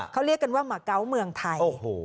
เขาเรียกกันว่ามาเกาะเมืองไทย